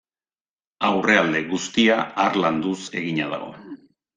Aurrealde guztia harlanduz egina dago.